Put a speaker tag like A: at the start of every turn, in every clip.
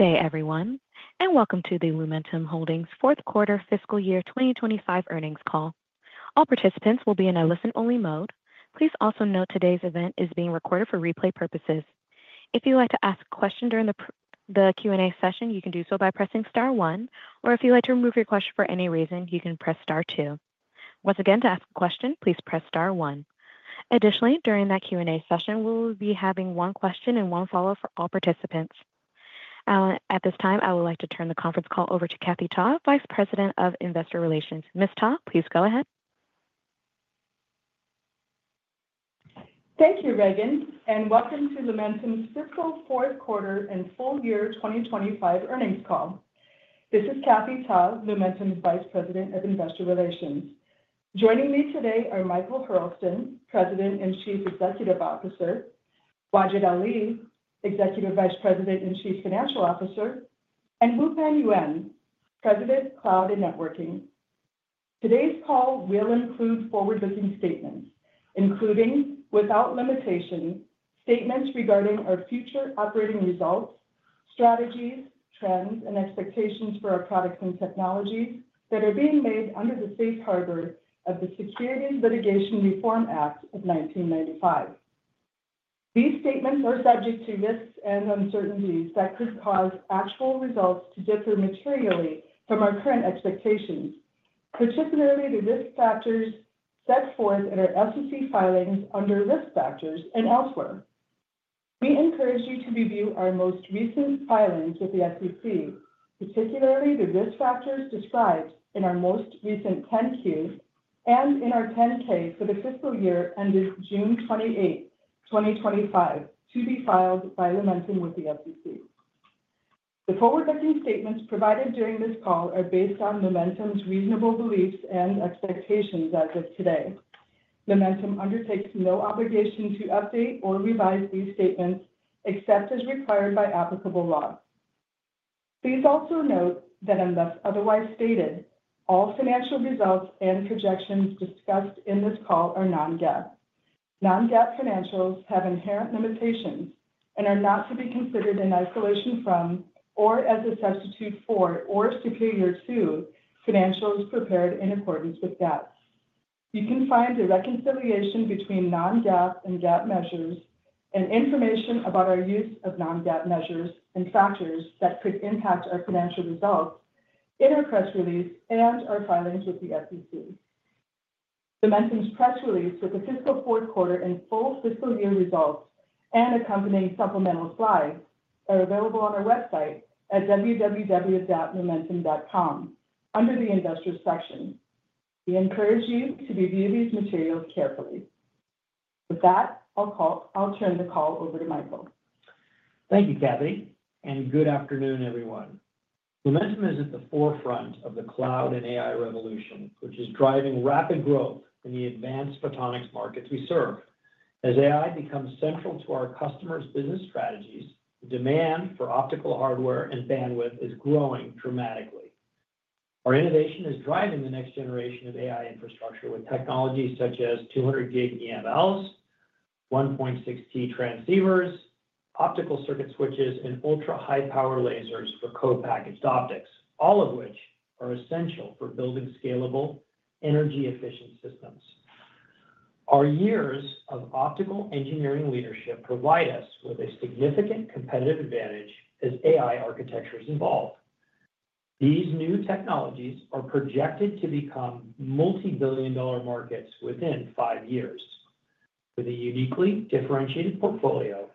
A: Good day, everyone, and welcome to the Lumentum Holdings fourth quarter fiscal year 2025 earnings call. All participants will be in a listen-only mode. Please also note today's event is being recorded for replay purposes. If you'd like to ask a question during the Q&A session, you can do so by pressing star one, or if you'd like to remove your question for any reason, you can press star two. Once again, to ask a question, please press star one. Additionally, during that Q&A session, we'll be having one question and one follow-up for all participants. At this time, I would like to turn the conference call over to Kathy Ta, Vice President of Investor Relations. Ms. Ta, please go ahead.
B: Thank you, Regen, and welcome to Lumentum's fiscal fourth quarter and full year 2025 earnings call. This is Kathy Ta, Lumentum's Vice President of Investor Relations. Joining me today are Michael Hurlston, President and Chief Executive Officer, and Wajid Ali, Executive Vice President and Chief Financial Officer and Wupen Yuen President, Cloud and Networking. Today's call will include forward-looking statements, including, without limitation, statements regarding our future operating results, strategies, trends, and expectations for our products and technologies that are being made under the safe harbor of the Security and Litigation Reform Act of 1995. These statements are subject to risks and uncertainties that could cause actual results to differ materially from our current expectations, particularly the risk factors set forth in our SEC filings under risk factors and elsewhere. We encourage you to review our most recent filings with the SEC, particularly the risk factors described in our most recent 10-Q and in our 10-K for the fiscal year ending June 28th, 2025, to be filed by Lumentum with the SEC. The forward-looking statements provided during this call are based on Lumentum's reasonable beliefs and expectations as of today. Lumentum undertakes no obligation to update or revise these statements except as required by applicable law. Please also note that, unless otherwise stated, all financial results and projections discussed in this call are non-GAAP. Non-GAAP financials have inherent limitations and are not to be considered in isolation from, or as a substitute for, or superior to, financials prepared in accordance with GAAP. You can find a reconciliation between non-GAAP and GAAP measures and information about our use of non-GAAP measures and factors that could impact our financial results in our press release and our filings with the SEC. Lumentum's press release with the fiscal fourth quarter and full fiscal year results and accompanying supplemental slides are available on our website at www.lumentum.com under the investors section. We encourage you to review these materials carefully. With that, I'll turn the call over to Michael.
C: Thank you, Kathy, and good afternoon, everyone. Lumentum is at the forefront of the cloud and AI revolution, which is driving rapid growth in the advanced Photonics markets we serve. As AI becomes central to our customers' business strategies, the demand for optical hardware and bandwidth is growing dramatically. Our innovation is driving the next generation of AI infrastructure with technologies such as 200 Gb EMLs, 1.6 Tb transceivers, optical circuit switches, and ultra-high-power lasers with co-packaged optics, all of which are essential for building scalable, energy-efficient systems. Our years of optical engineering leadership provide us with a significant competitive advantage as AI architectures evolve. These new technologies are projected to become multi-billion dollar markets within five years. With a uniquely differentiated portfolio,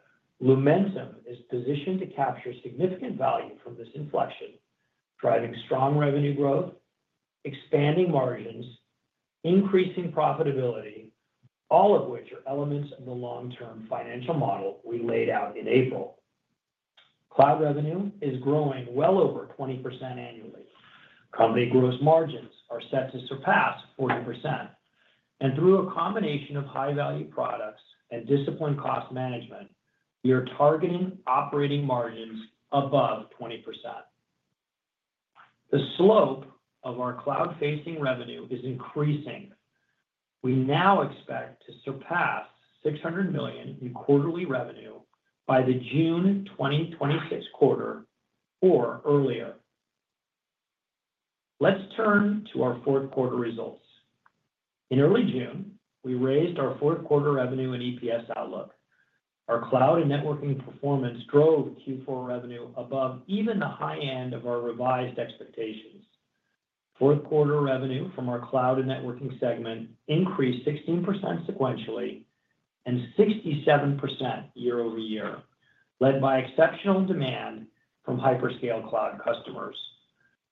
C: Lumentum is positioned to capture significant value from this inflection, driving strong revenue growth, expanding margins, increasing profitability, all of which are elements of the long-term financial model we laid out in April. Cloud revenue is growing well over 20% annually. Company gross margins are set to surpass 40%. Through a combination of high-value products and disciplined cost management, we are targeting operating margins above 20%. The slope of our cloud-facing revenue is increasing. We now expect to surpass $600 million in quarterly revenue by the June 2026 quarter or earlier. Let's turn to our fourth quarter results. In early June, we raised our fourth quarter revenue and EPS outlook. Our cloud and networking performance drove Q4 revenue above even the high end of our revised expectations. Fourth quarter revenue from our cloud and networking segment increased 16% sequentially and 67% year-over-year, led by exceptional demand from hyperscale cloud customers.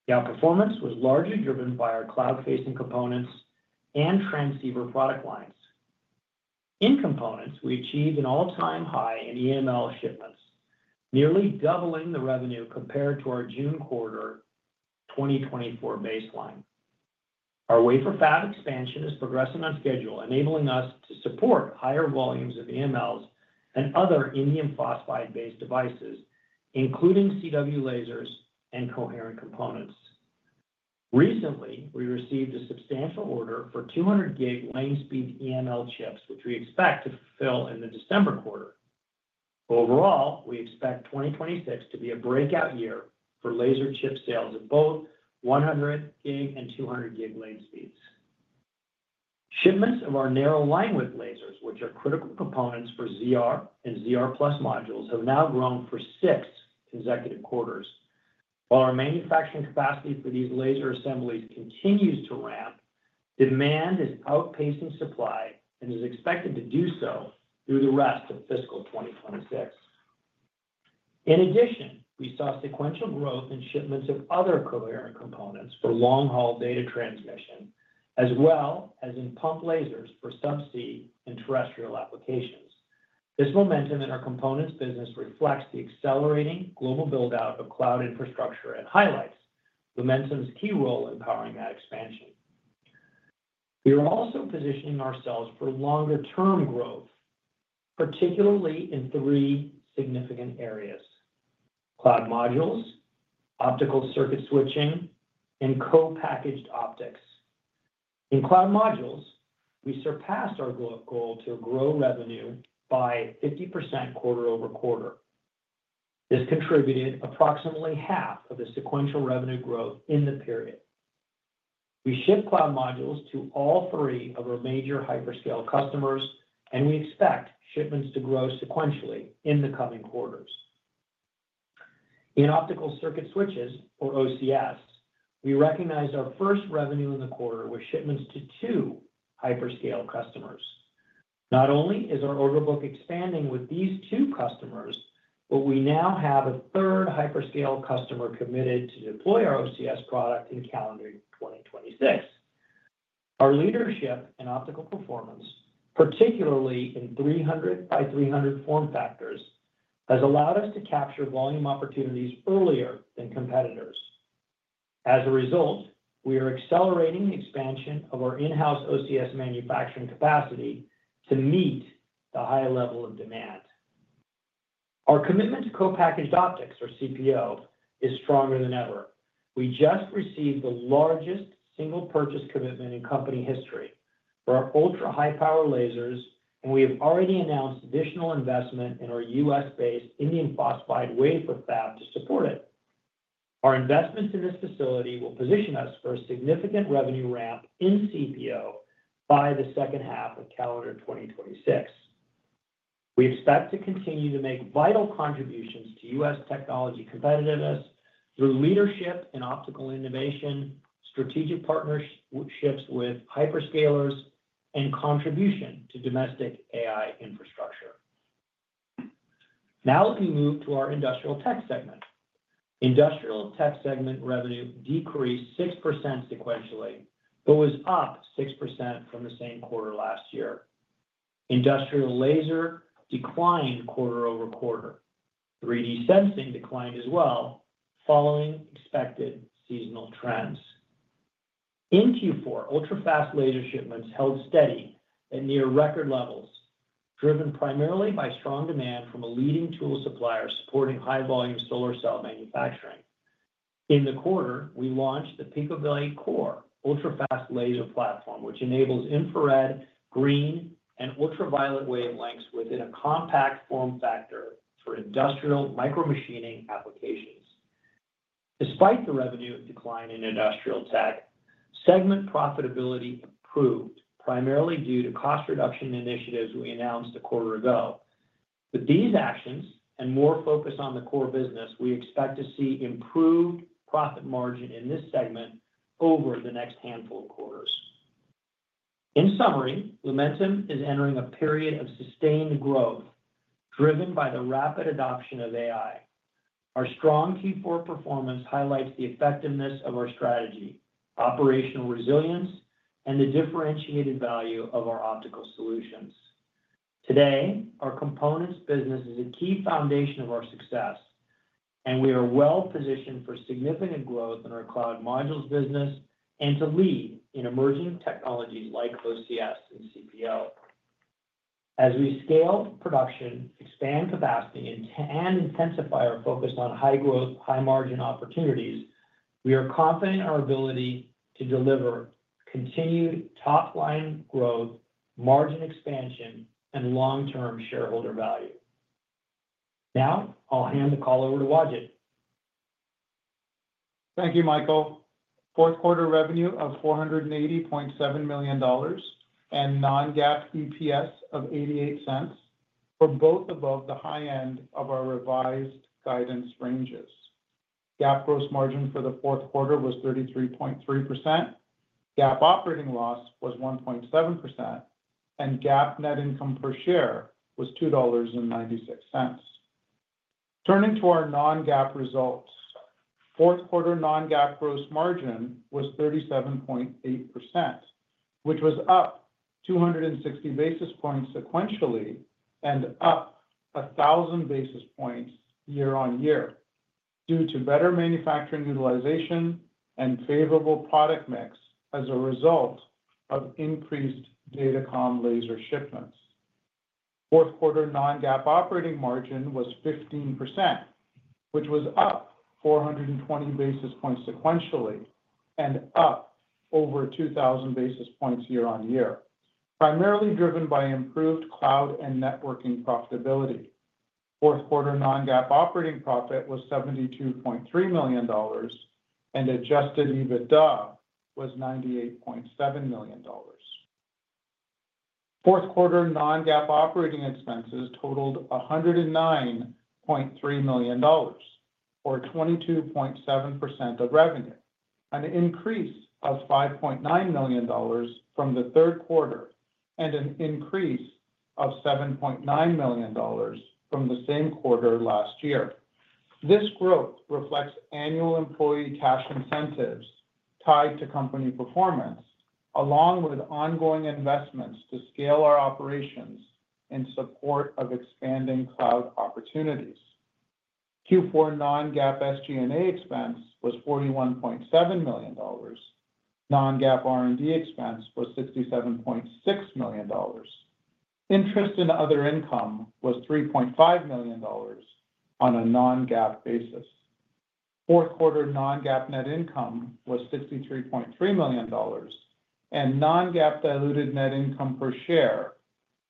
C: The outperformance was largely driven by our cloud-facing components and transceiver product lines. In components, we achieved an all-time high in EML shipments, nearly doubling the revenue compared to our June quarter 2024 baseline. Our wafer fab expansion is progressing on schedule, enabling us to support higher volumes of EMLs and other indium phosphide-based devices, including CW lasers and coherent components. Recently, we received a substantial order for 200 Gb LAN speed EML chips, which we expect to fulfill in the December quarter. Overall, we expect 2026 to be a breakout year for laser chip sales at both 100 Gb and 200 Gb LAN speeds. Shipments of our narrow linewidth lasers, which are critical components for ZR and ZR+ modules, have now grown for six consecutive quarters. While our manufacturing capacity for these laser assemblies continues to ramp, demand is outpacing supply and is expected to do so through the rest of fiscal 2026. In addition, we saw sequential growth in shipments of other coherent components for long-haul data transmission, as well as in pump lasers for subsea and terrestrial applications. This momentum in our components business reflects the accelerating global build-out of cloud infrastructure and highlights Lumentum's key role in powering that expansion. We are also positioning ourselves for longer-term growth, particularly in three significant areas: cloud modules, optical circuit switching, and co-packaged optics. In cloud modules, we surpassed our goal to grow revenue by 50% quarter-over-quarter. This contributed approximately half of the sequential revenue growth in the period. We ship cloud modules to all three of our major hyperscale customers, and we expect shipments to grow sequentially in the coming quarters. In optical circuit switches, or OCS, we recognize our first revenue in the quarter with shipments to two hyperscale customers. Not only is our order book expanding with these two customers, but we now have a third hyperscale customer committed to deploy our OCS product in calendar year 2026. Our leadership in optical performance, particularly in 300x300 form factors, has allowed us to capture volume opportunities earlier than competitors. As a result, we are accelerating the expansion of our in-house OCS manufacturing capacity to meet the high level of demand. Our commitment to co-packaged optics, or CPO, is stronger than ever. We just received the largest single purchase commitment in company history for our ultrahigh-power lasers, and we have already announced additional investment in our U.S.-based indium phosphide wafer fab to support it. Our investments in this facility will position us for a significant revenue ramp in CPO by the second half of calendar 2026. We expect to continue to make vital contributions to U.S. technology competitiveness through leadership in optical innovation, strategic partnerships with hyperscalers, and contribution to domestic AI infrastructure. Now, let me move to our industrial tech segment. Industrial tech segment revenue decreased 6% sequentially, but was up 6% from the same quarter last year. Industrial laser declined quarter-over-quarter. 3D sensing declined as well, following expected seasonal trends. In Q4, ultrafast laser shipments held steady at near record levels, driven primarily by strong demand from a leading tool supplier supporting high-volume solar cell manufacturing. In the quarter, we launched the PicoBlade Core ultrafast laser platform, which enables infrared, green, and ultraviolet wavelengths within a compact form factor for industrial micromachining applications. Despite the revenue decline in industrial tech, segment profitability improved, primarily due to cost reduction initiatives we announced a quarter ago. With these actions and more focus on the core business, we expect to see improved profit margin in this segment over the next handful of quarters. In summary, Lumentum is entering a period of sustained growth, driven by the rapid adoption of AI. Our strong Q4 performance highlights the effectiveness of our strategy, operational resilience, and the differentiated value of our optical solutions. Today, our components business is a key foundation of our success, and we are well positioned for significant growth in our cloud modules business and to lead in emerging technologies like OCS and CPO. As we scale production, expand capacity, and intensify our focus on high growth, high margin opportunities, we are confident in our ability to deliver continued top-line growth, margin expansion, and long-term shareholder value. Now, I'll hand the call over to Wajid.
D: Thank you, Michael. Fourth quarter revenue of $480.7 million and non-GAAP EPS of $0.88 were both above the high end of our revised guidance ranges. GAAP gross margin for the fourth quarter was 33.3%, GAAP operating loss was 1.7%, and GAAP net income per share was $2.96. Turning to our non-GAAP results, fourth quarter non-GAAP gross margin was 37.8%, which was up 260 basis points sequentially and up 1,000 basis points year-on-year due to better manufacturing utilization and favorable product mix as a result of increased Datacom laser shipments. Fourth quarter non-GAAP operating margin was 15%, which was up 420 basis points sequentially and up over 2,000 basis points year-on-year, primarily driven by improved cloud and networking profitability. Fourth quarter non-GAAP operating profit was $72.3 million, and adjusted EBITDA was $98.7 million. Fourth quarter non-GAAP operating expenses totaled $109.3 million, or 22.7% of revenue, an increase of $5.9 million from the third quarter, and an increase of $7.9 million from the same quarter last year. This growth reflects annual employee cash incentives tied to company performance, along with ongoing investments to scale our operations in support of expanding cloud opportunities. Q4 non-GAAP SG&A expense was $41.7 million. Non-GAAP R&D expense was $67.6 million. Interest and other income was $3.5 million on a non-GAAP basis. Fourth quarter non-GAAP net income was $63.3 million, and non-GAAP diluted net income per share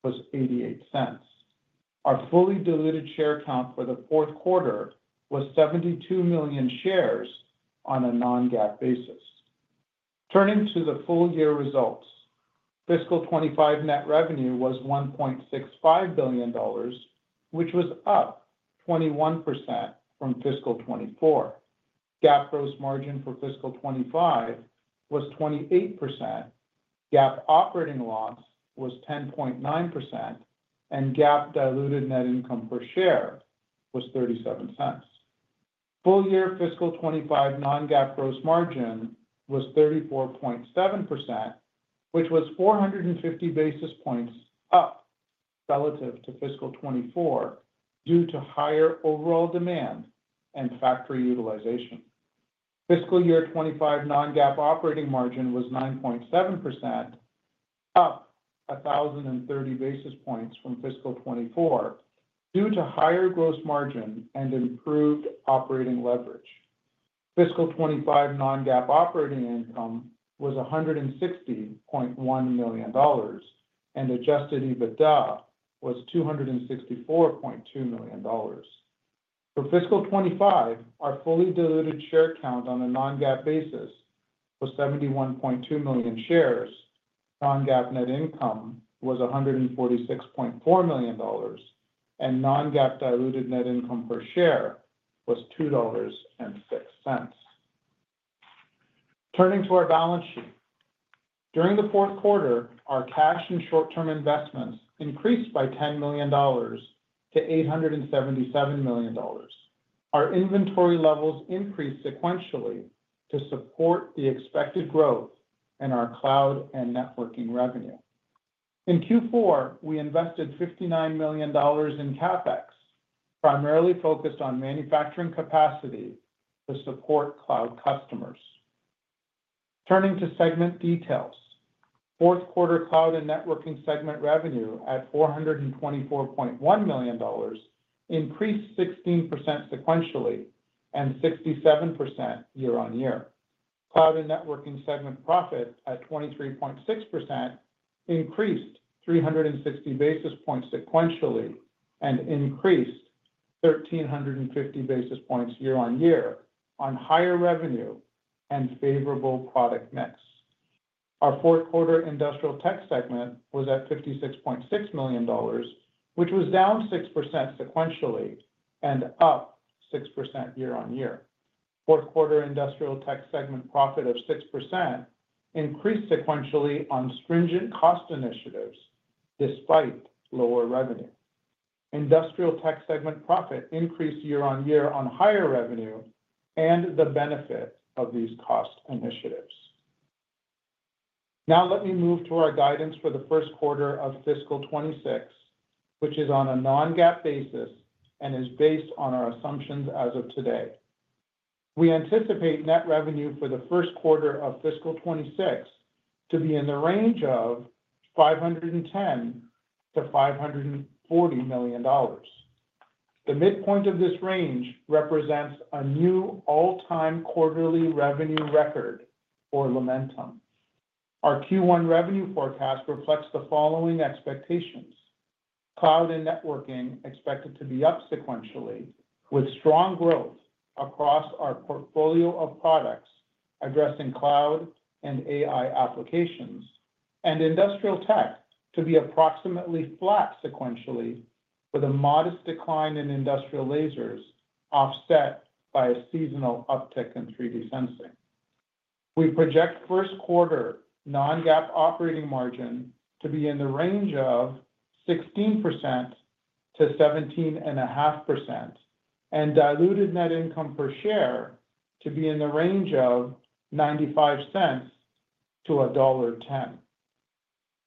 D: was $0.88. Our fully diluted share count for the fourth quarter was 72 million shares on a non-GAAP basis. Turning to the full year results, fiscal 2025 net revenue was $1.65 billion, which was up 21% from fiscal 2024. GAAP gross margin for fiscal 2025 was 28%, GAAP operating loss was 10.9%, and GAAP diluted net income per share was $0.37. Full year fiscal 2025 non-GAAP gross margin was 34.7%, which was 450 basis points up relative to fiscal 2024 due to higher overall demand and factory utilization. Fiscal year 2025 non-GAAP operating margin was 9.7%, up 1,030 basis points from fiscal 2024 due to higher gross margin and improved operating leverage. Fiscal 2025 non-GAAP operating income was $160.1 million, and adjusted EBITDA was $264.2 million. For fiscal 2025, our fully diluted share count on a non-GAAP basis was 71.2 million shares, non-GAAP net income was $146.4 million, and non-GAAP diluted net income per share was $2.06. Turning to our balance sheet, during the fourth quarter, our cash and short-term investments increased by $10 million to $877 million. Our inventory levels increased sequentially to support the expected growth in our cloud and networking revenue. In Q4, we invested $59 million in CapEx, primarily focused on manufacturing capacity to support cloud customers. Turning to segment details, fourth quarter cloud and networking segment revenue at $424.1 million increased 16% sequentially and 67% year-on-year. Cloud and networking segment profit at 23.6% increased 360 basis points sequentially and increased 1,350 basis points year-on-year on higher revenue and favorable product mix. Our fourth quarter industrial tech segment was at $56.6 million, which was down 6% sequentially and up 6% year-on-year. Fourth quarter industrial tech segment profit of 6% increased sequentially on stringent cost initiatives despite lower revenue. Industrial tech segment profit increased year-on-year on higher revenue and the benefit of these cost initiatives. Now, let me move to our guidance for the first quarter of fiscal 2026, which is on a non-GAAP basis and is based on our assumptions as of today. We anticipate net revenue for the first quarter of fiscal 2026 to be in the range of $510 million-$540 million. The midpoint of this range represents a new all-time quarterly revenue record for Lumentum. Our Q1 revenue forecast reflects the following expectations: cloud and networking expected to be up sequentially with strong growth across our portfolio of products addressing cloud and AI applications, and industrial tech to be approximately flat sequentially with a modest decline in industrial lasers offset by a seasonal uptick in 3D sensing. We project first quarter non-GAAP operating margin to be in the range of 16%-17.5% and diluted net income per share to be in the range of $0.95-$1.10.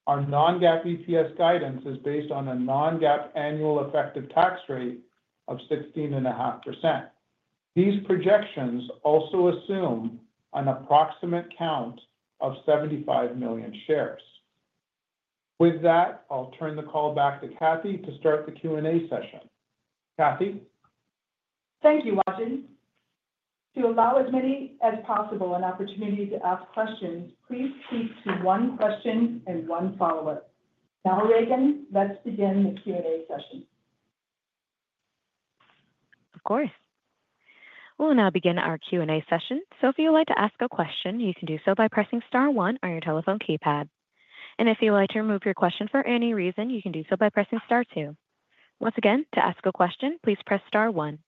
D: Our non-GAAP EPS guidance is based on a non-GAAP annual effective tax rate of 16.5%. These projections also assume an approximate count of 75 million shares. With that, I'll turn the call back to Kathy to start the Q&A session. Kathy.
B: Thank you, Wajid. To allow as many as possible an opportunity to ask questions, please state one question and one follow-up. Now, Regen, let's begin the Q&A session.
A: Of course. We'll now begin our Q&A session. If you'd like to ask a question, you can do so by pressing star one on your telephone keypad. If you'd like to remove your question for any reason, you can do so by pressing star two. Once again, to ask a question, please press star one.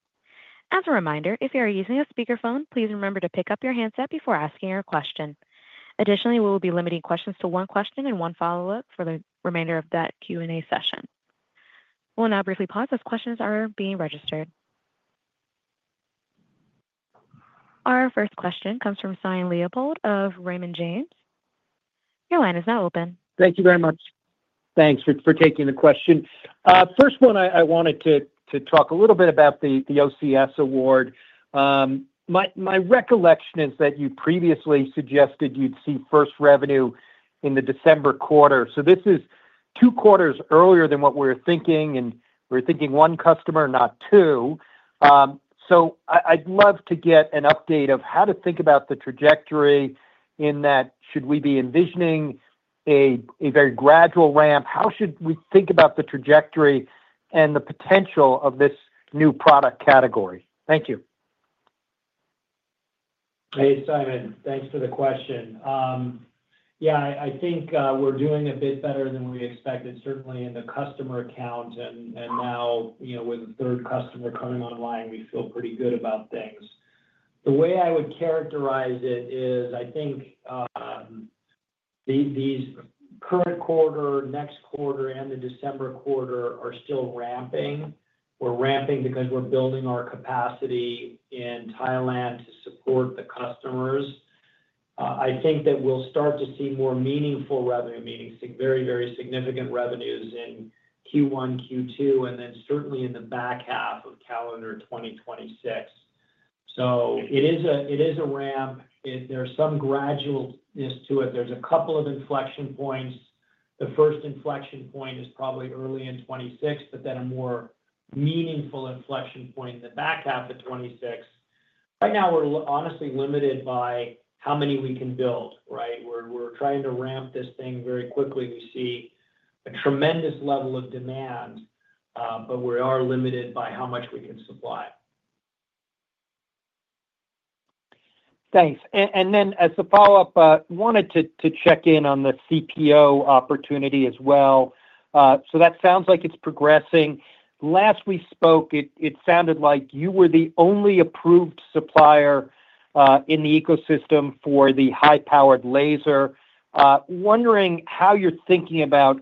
A: As a reminder, if you are using a speakerphone, please remember to pick up your handset before asking your question. Additionally, we will be limiting questions to one question and one follow-up for the remainder of that Q&A session. We'll now briefly pause as questions are being registered. Our first question comes from Simon Leopold of Raymond James. Your line is now open.
E: Thank you very much. Thanks for taking the question. First one, I wanted to talk a little bit about the OCS award. My recollection is that you previously suggested you'd see first revenue in the December quarter. This is two quarters earlier than what we were thinking, and we were thinking one customer, not two. I'd love to get an update of how to think about the trajectory in that. Should we be envisioning a very gradual ramp? How should we think about the trajectory and the potential of this new product category? Thank you.
C: Hey, Simon. Thanks for the question. Yeah, I think we're doing a bit better than we expected, certainly in the customer count, and now, you know, with a third customer coming online, we feel pretty good about things. The way I would characterize it is I think these current quarter, next quarter, and the December quarter are still ramping. We're ramping because we're building our capacity in Thailand to support the customers. I think that we'll start to see more meaningful revenue, meaning very, very significant revenues in Q1, Q2, and then certainly in the back half of calendar 2026. It is a ramp. There's some gradualness to it. There's a couple of inflection points. The first inflection point is probably early in 2026, but then a more meaningful inflection point in the back half of 2026. Right now, we're honestly limited by how many we can build, right? We're trying to ramp this thing very quickly to see a tremendous level of demand, but we are limited by how much we can supply.
E: Thanks. As a follow-up, I wanted to check in on the CPO opportunity as well. It sounds like it's progressing. Last we spoke, it sounded like you were the only approved supplier in the ecosystem for the high-powered laser. Wondering how you're thinking about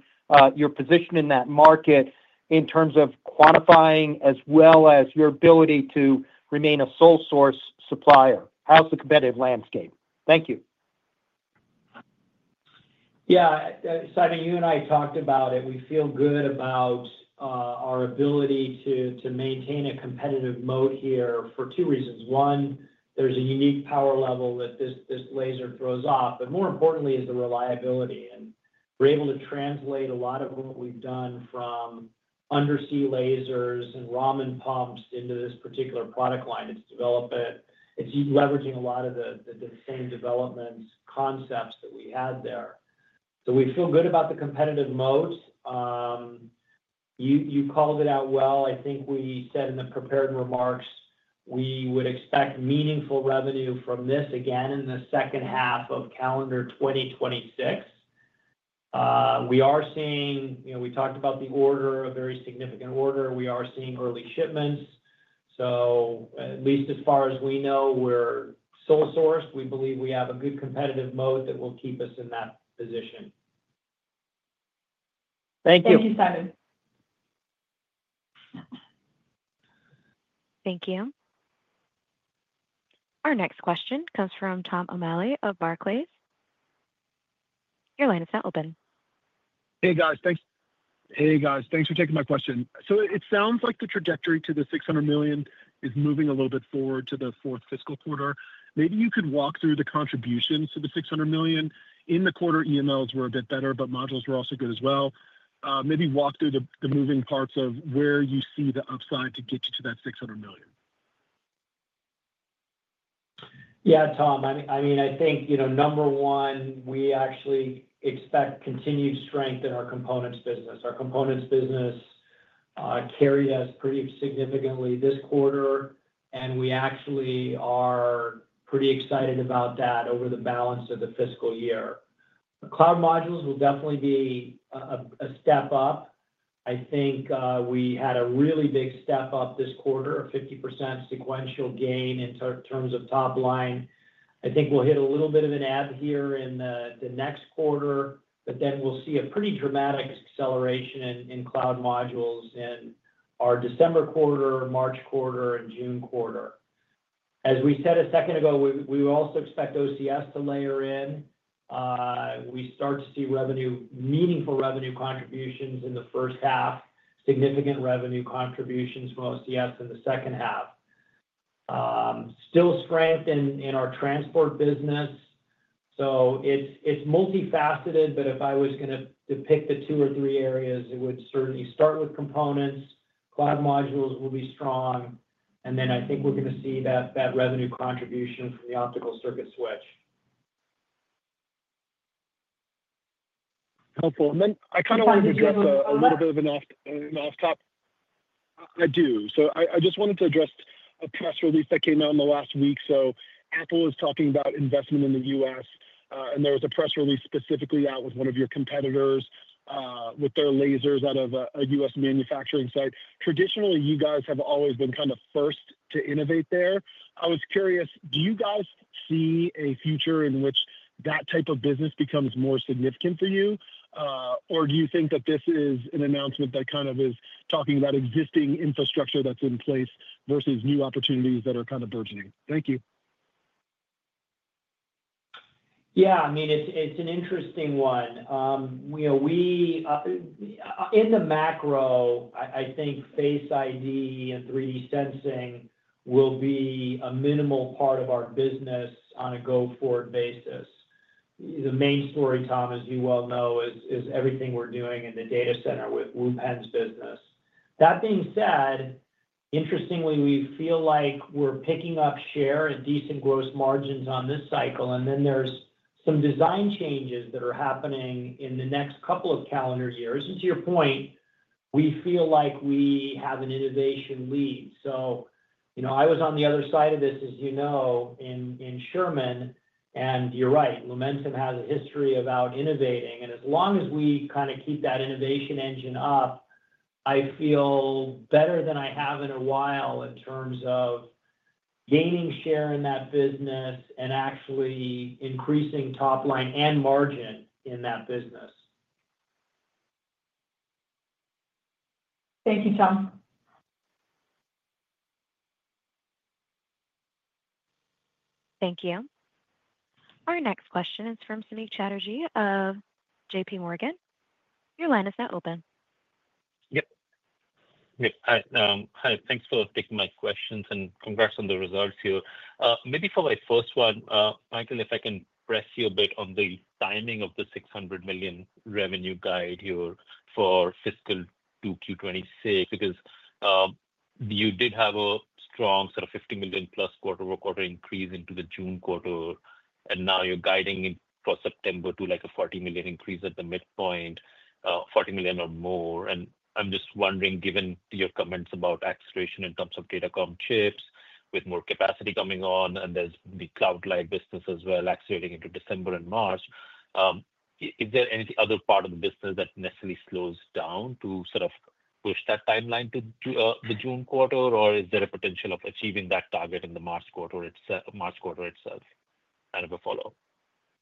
E: your position in that market in terms of quantifying as well as your ability to remain a sole source supplier. How's the competitive landscape? Thank you.
C: Yeah, Simon, you and I talked about it. We feel good about our ability to maintain a competitive moat here for two reasons. One, there's a unique power level that this laser throws off, but more importantly, is the reliability. We're able to translate a lot of what we've done from undersea lasers and Raman pumps into this particular product line. It's development. It's leveraging a lot of the same development concepts that we had there. We feel good about the competitive moat. You called it out well. I think we said in the prepared remarks, we would expect meaningful revenue from this again in the second half of calendar 2026. We are seeing, you know, we talked about the order, a very significant order. We are seeing early shipments. At least as far as we know, we're sole sourced. We believe we have a good competitive moat that will keep us in that position.
E: Thank you.
B: Thank you, Simon.
A: Thank you. Our next question comes from Tom O'Malley of Barclays. Your line is now open.
F: Thanks for taking my question. It sounds like the trajectory to the $600 million is moving a little bit forward to the fourth fiscal quarter. Maybe you could walk through the contributions to the $600 million. In the quarter, EMLs were a bit better, but modules were also good as well. Maybe walk through the moving parts of where you see the upside to get you to that $600 million.
C: Yeah, Tom. I mean, I think, you know, number one, we actually expect continued strength in our components business. Our components business carried us pretty significantly this quarter, and we actually are pretty excited about that over the balance of the fiscal year. The cloud modules will definitely be a step up. I think we had a really big step up this quarter of 50% sequential gain in terms of top line. I think we'll hit a little bit of an add here in the next quarter, but then we'll see a pretty dramatic acceleration in cloud modules in our December quarter, March quarter, and June quarter. As we said a second ago, we also expect OCS to layer in. We start to see revenue, meaningful revenue contributions in the first half, significant revenue contributions from OCS in the second half. Still strength in our transport business. It's multifaceted, but if I was going to pick the two or three areas, it would certainly start with components. Cloud modules will be strong, and then I think we're going to see that revenue contribution from the optical circuit switch.
F: Helpful. I kind of wanted to address a little bit of a non-stop. I do. I just wanted to address a press release that came out in the last week. Apple was talking about investment in the U.S., and there was a press release specifically out with one of your competitors with their lasers out of a U.S. manufacturing site. Traditionally, you guys have always been kind of first to innovate there. I was curious, do you guys see a future in which that type of business becomes more significant for you, or do you think that this is an announcement that is talking about existing infrastructure that's in place versus new opportunities that are kind of burgeoning? Thank you.
C: Yeah, I mean, it's an interesting one. You know, in the macro, I think Face ID and 3D sensing will be a minimal part of our business on a go-forward basis. The main story, Tom, as you well know, is everything we're doing in the data center with Lumentum's business. That being said, interestingly, we feel like we're picking up share and decent gross margins on this cycle, and then there's some design changes that are happening in the next couple of calendar years. To your point, we feel like we have an innovation lead. I was on the other side of this, as you know, in Sherman, and you're right. Lumentum has a history of out-innovating, and as long as we kind of keep that innovation engine up, I feel better than I have in a while in terms of gaining share in that business and actually increasing top line and margin in that business.
B: Thank you, Tom.
A: Thank you. Our next question is from Samik Chatterjee of JPMorgan. Your line is now open.
G: Hi. Thanks for taking my questions and congrats on the results here. Maybe for my first one, Michael, if I can press you a bit on the timing of the $600 million revenue guide here for fiscal Q2 2026 because you did have a strong sort of $50+ million quarter-over-quarter increase into the June quarter, and now you're guiding it for September to like a $40 million increase at the midpoint, $40 million or more. I'm just wondering, given your comments about acceleration in terms of Datacom chips with more capacity coming on, and there's the cloud-like business as well accelerating into December and March, is there any other part of the business that necessarily slows down to sort of push that timeline to the June quarter, or is there a potential of achieving that target in the March quarter itself?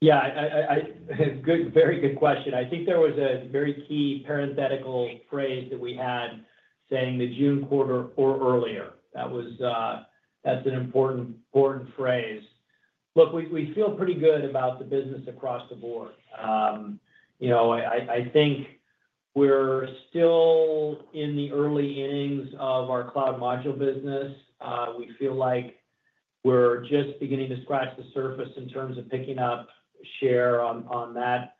G: I have a follow-up.
C: Yeah, it's a very good question. I think there was a very key parenthetical phrase that we had saying the June quarter or earlier. That was, that's an important, important phrase. Look, we feel pretty good about the business across the board. I think we're still in the early innings of our cloud module business. We feel like we're just beginning to scratch the surface in terms of picking up share on that.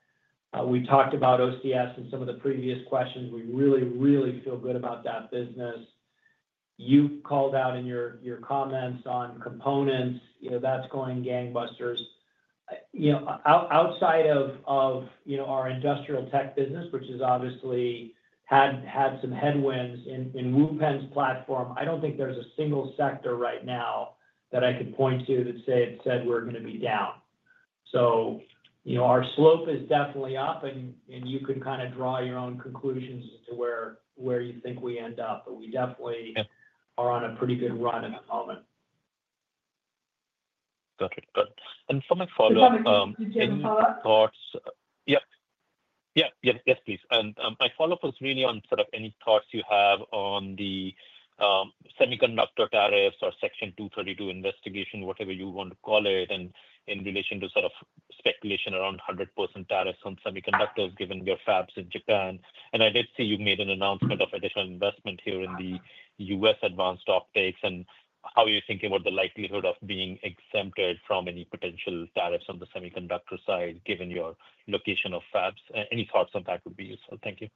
C: We talked about OCS in some of the previous questions. We really, really feel good about that business. You've called out in your comments on components. That's going gangbusters. Outside of our industrial tech business, which has obviously had some headwinds in Wupen’s platform, I don't think there's a single sector right now that I could point to that said we're going to be down. Our slope is definitely up, and you can kind of draw your own conclusions as to where you think we end up, but we definitely are on a pretty good run at the moment.
G: Got it. For my follow-up, do you have any thoughts? Yes, please. My follow-up was really on any thoughts you have on the semiconductor tariffs or Section 232 investigation, whatever you want to call it, in relation to speculation around 100% tariffs on semiconductors given your fabs in Japan. I did see you made an announcement of a different investment here in the U.S. advanced optics and how you're thinking about the likelihood of being exempted from any potential tariffs on the semiconductor side given your location of fabs. Any thoughts on that would be useful. Thank you.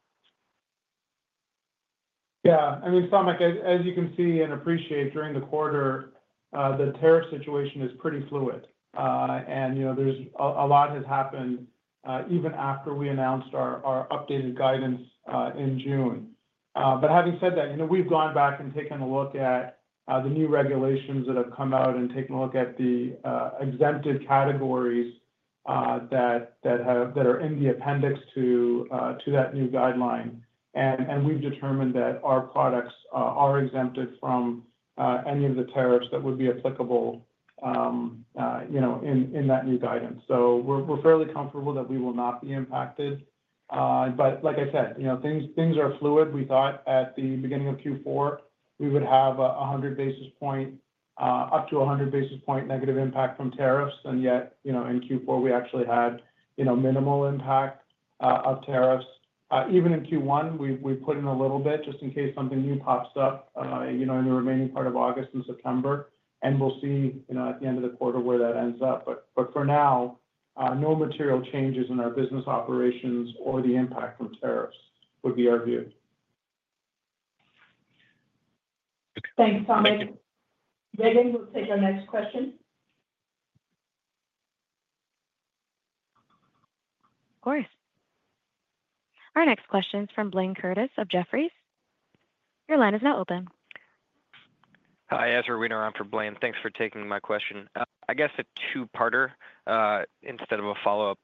D: Yeah. I mean, Tom, as you can see and appreciate, during the quarter, the tariff situation is pretty fluid. There's a lot has happened even after we announced our updated guidance in June. Having said that, we've gone back and taken a look at the new regulations that have come out and taken a look at the exempted categories that are in the appendix to that new guideline. We've determined that our products are exempted from any of the tariffs that would be applicable in that new guidance. We're fairly comfortable that we will not be impacted. Like I said, things are fluid. We thought at the beginning of Q4, we would have a 100 basis point, up to a 100 basis point negative impact from tariffs. Yet, in Q4, we actually had minimal impact of tariffs. Even in Q1, we put in a little bit just in case something new pops up in the remaining part of August and September. We'll see at the end of the quarter where that ends up. For now, no material changes in our business operations or the impact from tariffs would be our view.
B: Thanks, Tom. Regen, we'll take our next question.
A: Of course. Our next question is from Blaine Curtis of Jefferies. Your line is now open. Hi. Ezra Reader on for Blaine, thanks for taking my question. I guess a two-parter instead of a follow-up.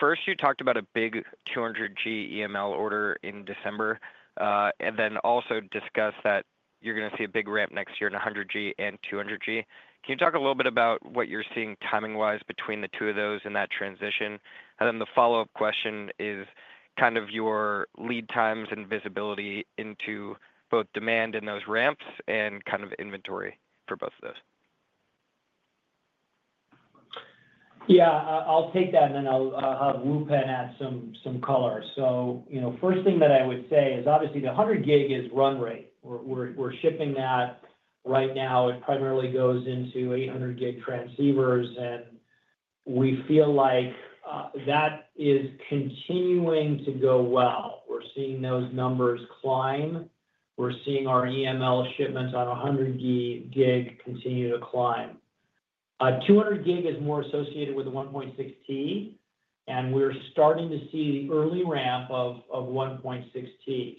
A: First, you talked about a big 200 Gb EML order in December and then also discussed that you're going to see a big ramp next year in 100 Gb and 200 Gb. Can you talk a little bit about what you're seeing timing-wise between the two of those in that transition? The follow-up question is kind of your lead times and visibility into both demand in those ramps and kind of inventory for both of those.
C: I'll take that and then Wupen will add some colors. The first thing that I would say is obviously the 100 Gb is run rate. We're shipping that right now. It primarily goes into 800 Gb transceivers, and we feel like that is continuing to go well. We're seeing those numbers climb. We're seeing our EML shipments on 100 Gb continue to climb. 200 Gb is more associated with 1.6 T, and we're starting to see early ramp of 1.6 T.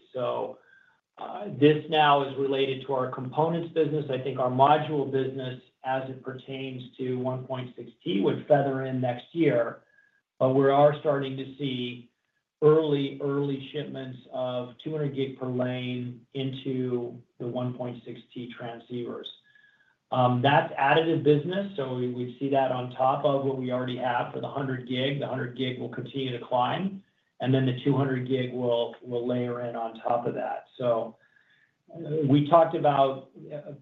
C: This now is related to our components business. I think our module business as it pertains to 1.6 Tb would feather in next year, but we are starting to see early shipments of 200 Gb per lane into the 1.6 Tb transceivers. That's additive business. We see that on top of what we already have for the 100 Gb. The 100 Gb will continue to climb, and the 200 Gb will layer in on top of that. We talked about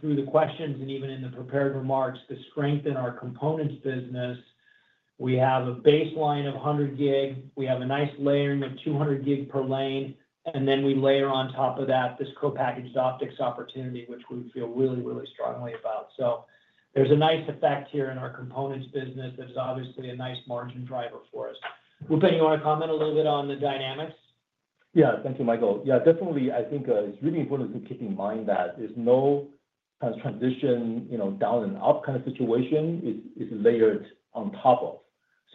C: through the questions and even in the prepared remarks, the strength in our components business. We have a baseline of 100 Gb. We have a nice layering of 200 Gb per lane, and we layer on top of that this co-packaged optics opportunity, which we feel really, really strongly about. There's a nice effect here in our components business that is obviously a nice margin driver for us. Wupen, can you comment a little bit on the dynamics?
H: Thank you, Michael. Yeah, definitely. I think it's really important to keep in mind that there's no transition, you know, down and up kind of situation. It's layered on top of.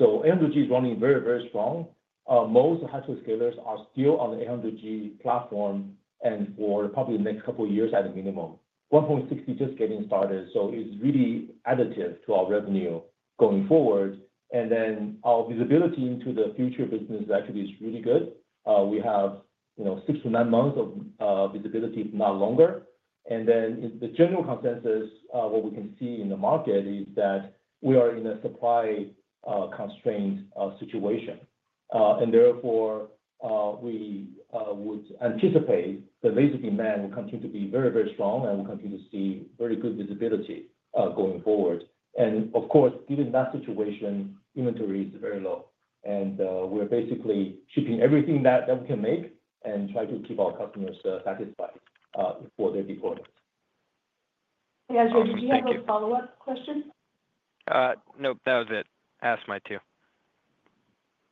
H: 100 Gb is running very, very strong. Most hyperscalers are still on the 100 Gb platform and for probably the next couple of years at a minimum. 1.6 Tb is just getting started. It's really additive to our revenue going forward. Our visibility into the future business actually is really good. We have, you know, six to nine months of visibility, if not longer. The general consensus, what we can see in the market is that we are in a supply constrained situation. Therefore, we would anticipate the laser demand will continue to be very, very strong and will continue to see very good visibility going forward. Of course, given that situation, inventory is very low. We're basically keeping everything that we can make and try to keep our customers satisfied for their deployments.
B: Ezra, did you have a follow-up question? Nope, that was it. Asked my two.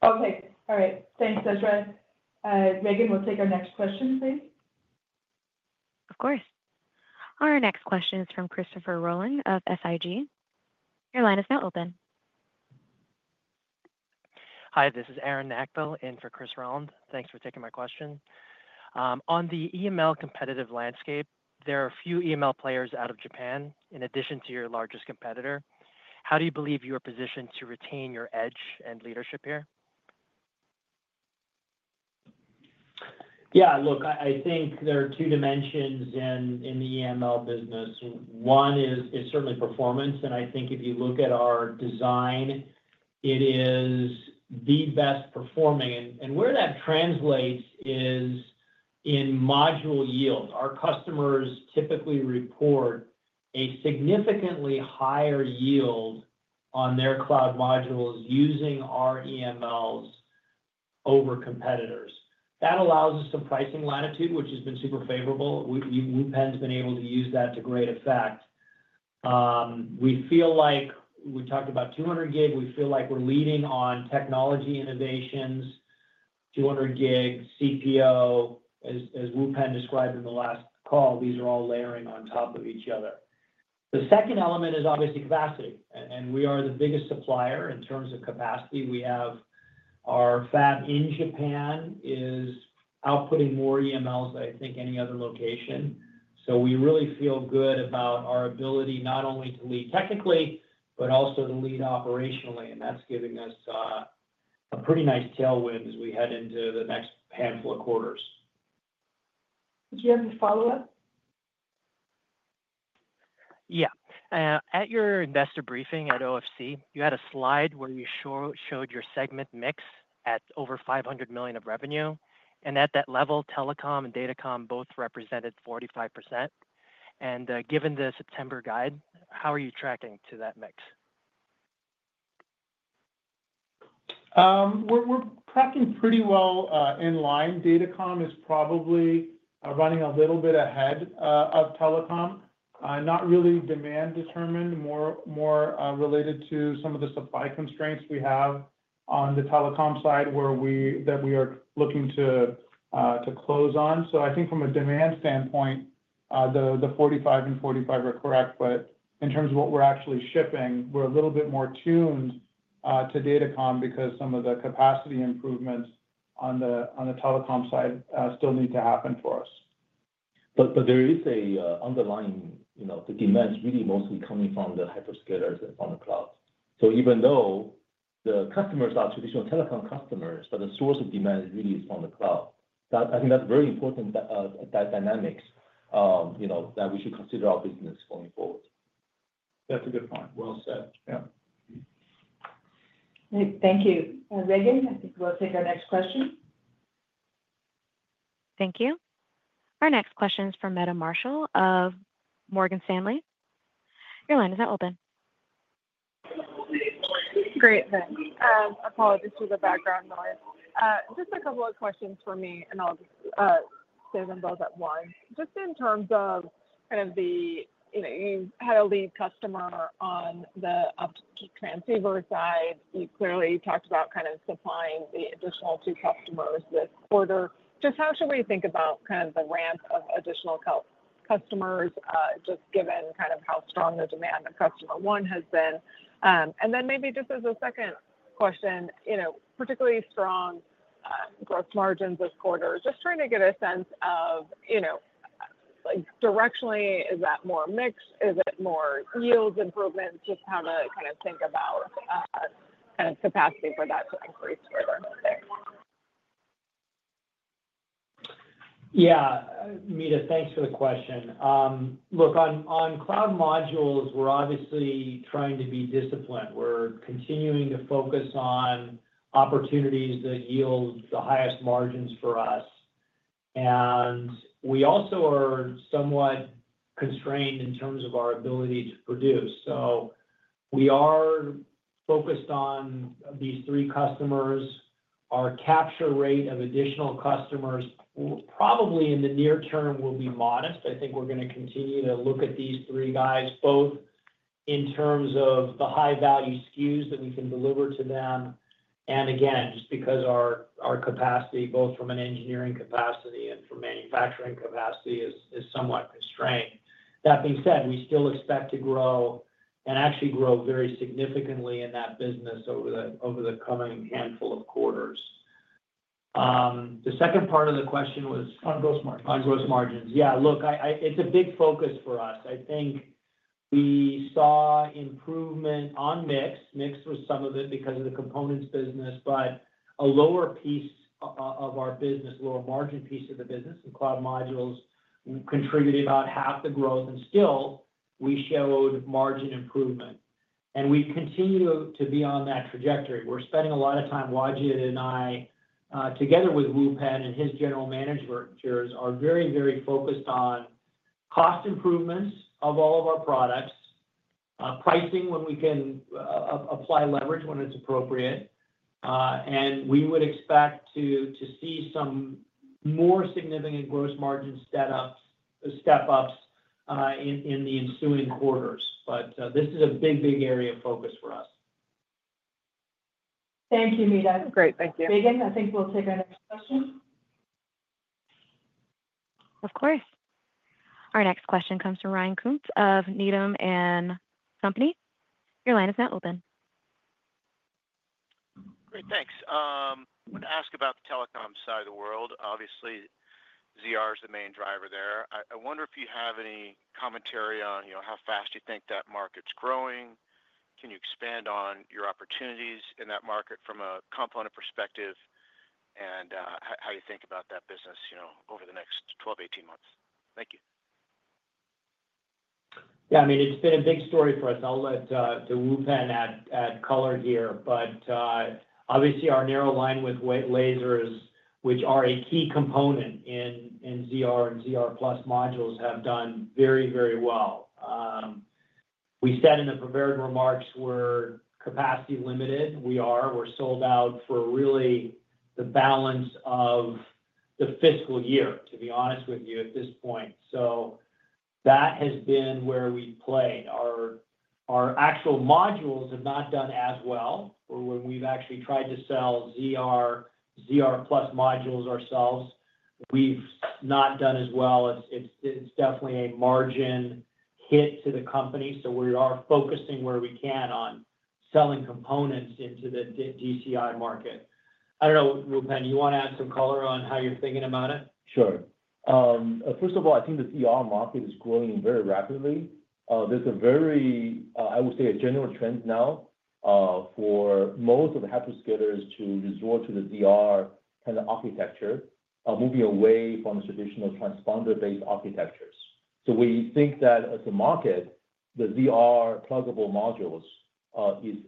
B: Okay. All right. Thanks, Ezra. Regen, we'll take our next question, please.
A: Of course. Our next question is from Christopher Rowland of SIG. Your line is now open. Hi. This is Aaron Nakbo in for Chris Rowland. Thanks for taking my question. On the EML competitive landscape, there are a few EML players out of Japan in addition to your largest competitor. How do you believe you are positioned to retain your edge and leadership here?
C: Yeah, look, I think there are two dimensions in the EML business. One is certainly performance. I think if you look at our design, it is the best performing. Where that translates is in module yield. Our customers typically report a significantly higher yield on their cloud modules using our EMLs over competitors. That allows us some pricing latitude, which has been super favorable. Lumentum's been able to use that to great effect. We feel like we talked about 200 Gb. We feel like we're leading on technology innovations, 200 Gb, CPO. As Wupen described in the last call, these are all layering on top of each other. The second element is obviously capacity. We are the biggest supplier in terms of capacity. We have our fab in Japan is outputting more EMLs than I think any other location. We really feel good about our ability not only to lead technically, but also to lead operationally. That's giving us a pretty nice tailwind as we head into the next handful of quarters.
B: Did you have a follow-up? At your investor briefing at OFC, you had a slide where you showed your segment mix at over $500 million of revenue. At that level, telecom and Datacom both represented 45%. Given the September guide, how are you tracking to that mix?
C: We're tracking pretty well in line. Datacom is probably running a little bit ahead of telecom, not really demand-determined, more related to some of the supply constraints we have on the telecom side that we are looking to close on. I think from a demand standpoint, the 45% and 45% are correct, but in terms of what we're actually shipping, we're a little bit more tuned to Datacom because some of the capacity improvements on the telecom side still need to happen for us.
H: There is an underlying, you know, the demand is really mostly coming from the hyperscalers on the cloud. Even though the customers are traditional telecom customers, the source of demand is really from the cloud. I think that's very important, that dynamic, you know, that we should consider our business going forward. That's a good point. Well said. Yeah.
B: Great. Thank you. Regen, I think we'll take our next question.
A: Thank you. Our next question is from Meta Marshall of Morgan Stanley. Your line is now open.
I: Great. Thanks. Apologies for the background noise. Just a couple of questions for me, and I'll just say them both at once. Just in terms of kind of the, you know, you had a lead customer on the optic transceiver side. You clearly talked about kind of supplying the additional two customers this quarter. Just how should we think about kind of the ramp of additional customers, just given kind of how strong the demand of customer one has been? Maybe just as a second question, you know, particularly strong gross margins this quarter. Just trying to get a sense of, you know, like directionally, is that more mixed? Is it more yield improvement? Just how to kind of think about kind of capacity for that to increase further.
C: Yeah. Meta, thanks for the question. Look, on cloud modules, we're obviously trying to be disciplined. We're continuing to focus on opportunities that yield the highest margins for us. We also are somewhat constrained in terms of our ability to produce. We are focused on these three customers. Our capture rate of additional customers probably in the near term will be modest. I think we're going to continue to look at these three guys both in terms of the high-value SKUs that we can deliver to them. Again, just because our capacity, both from an engineering capacity and from manufacturing capacity, is somewhat constrained. That being said, we still expect to grow and actually grow very significantly in that business over the coming handful of quarters. The second part of the question was on gross margins. Yeah, look, it's a big focus for us. I think we saw improvement on mix, mixed with some of it because of the components business, but a lower piece of our business, a lower margin piece of the business, and cloud modules contributed about half the growth. Still, we showed margin improvement. We continue to be on that trajectory. We're spending a lot of time, Wajid and I, together with Wupen and his general managers, are very, very focused on cost improvements of all of our products, pricing when we can apply leverage when it's appropriate. We would expect to see some more significant gross margin step-ups in the ensuing quarters. This is a big, big area of focus for us.
B: Thank you, Meta.
I: That's great. Thank you.
B: Regen, I think we'll take our next question.
A: Of course. Our next question comes from Ryan Koontz of Needham & Company. Your line is now open.
J: Great. Thanks. I want to ask about the telecom side of the world. Obviously, ZR is the main driver there. I wonder if you have any commentary on how fast you think that market's growing. Can you expand on your opportunities in that market from a component perspective and how you think about that business over the next 12, 18 months? Thank you.
C: Yeah, I mean, it's been a big story for us. I'll let Wupen add color here. Obviously, our narrow linewidth lasers, which are a key component in ZR and ZR+ modules, have done very, very well. We said in the prepared remarks we're capacity limited. We are. We're sold out for really the balance of the fiscal year, to be honest with you, at this point. That has been where we've played. Our actual modules have not done as well. We've actually tried to sell ZR+ modules ourselves. We've not done as well. It's definitely a margin hit to the company. We are focusing where we can on selling components into the DCI market. I don't know, Wupen, you want to add some color on how you're thinking about it?
H: Sure. First of all, I think the DCI market is growing very rapidly. There's a very, I would say, a general trend now for most of the hyperscalers to resort to the DCI kind of architecture, moving away from traditional transponder-based architectures. We think that as a market, the ZR pluggable modules is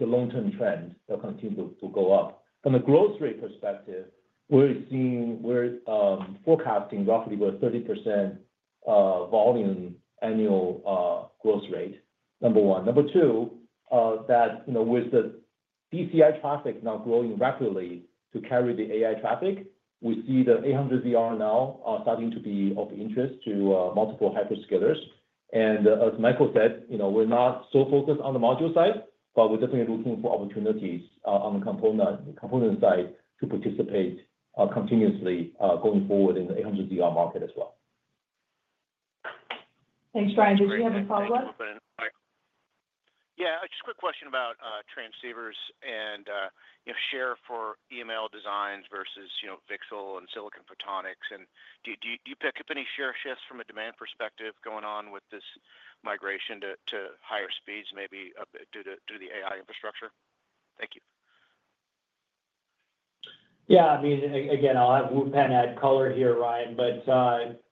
H: a long-term trend that continues to go up. From a growth rate perspective, we're forecasting roughly about 30% volume annual growth rate, number one. Number two, with the DCI traffic now growing rapidly to carry the AI traffic, we see the 800 ZR now starting to be of interest to multiple hyperscalers. As Michael said, we're not so focused on the module side, but we're definitely looking for opportunities on the component side to participate continuously going forward in the 800 ZR market as well.
B: Thanks, Ryan. Did you have a follow-up?
J: Yeah, just a quick question about transceivers and, you know, share for EML designs versus, you know, VCSEL and Silicon Photonics. Do you pick up any share shifts from a demand perspective going on with this migration to higher speeds, maybe due to the AI infrastructure? Thank you.
C: Yeah, I mean, again, I'll have Wupen add color here, Ryan, but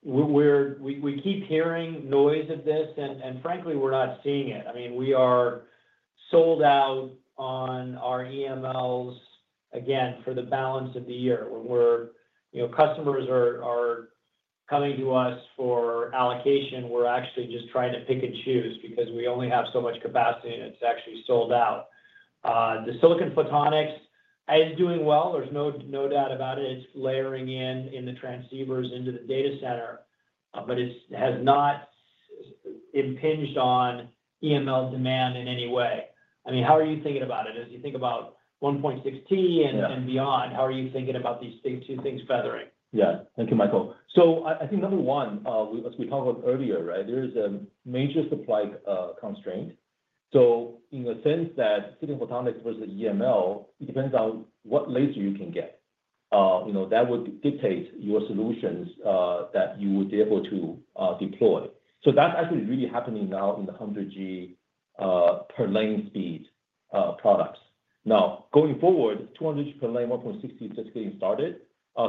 C: we keep hearing noise of this, and frankly, we're not seeing it. I mean, we are sold out on our EMLs, again, for the balance of the year when we're, you know, customers are coming to us for allocation. We're actually just trying to pick and choose because we only have so much capacity, and it's actually sold out. The Silicon Photonics is doing well. There's no doubt about it. It's layering in in the transceivers into the data center, but it has not impinged on EML demand in any way. I mean, how are you thinking about it as you think about 1.6 Tb and beyond? How are you thinking about these two things feathering?
H: Thank you, Michael. I think number one, as we talked about earlier, there is a major supply constraint. In the sense that Silicon Photonics versus EML, it depends on what laser you can get. That would dictate your solutions that you would be able to deploy. That's actually really happening now in the 100G per lane speed products. Going forward, 200G per lane, 1.6T, just getting started,